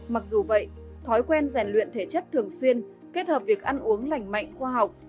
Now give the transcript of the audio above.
mặc dù vậy thói quen rèn luyện thể chất thường xuyên kết hợp việc ăn uống lành mạnh khoa học